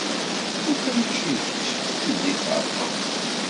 Lukan mačči d kečč tili ɣerqeɣ.